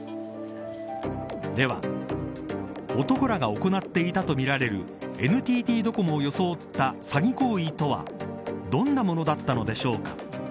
では、男らが行っていたとみられるＮＴＴドコモを装った詐欺行為とはどんなものだったのでしょうか。